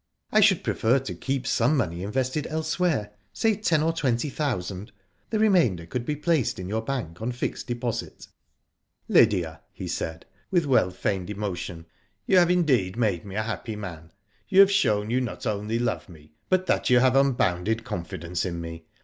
I should prefer to keep some Digitized byGbogk AIRS. BRYCE ACCEPTS. 145 money invested elsewhere, say ten or twenty thousand. The remainder could be placed in your bank on fixed deposit." ^* Lydia," he said, with well feigned emotion, "you have indeed made me a happy man. You have shown you not only love me, but that you have unbounded confidence in me.